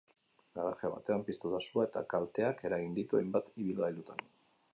Garaje batean piztu da sua, eta kalteak eragin ditu hainbat ibilgailutan.